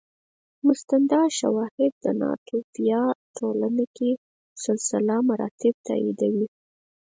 مستند شواهد د ناتوفیا ټولنه کې سلسله مراتب تاییدوي